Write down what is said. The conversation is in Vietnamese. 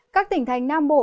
các tỉnh thành nam bộ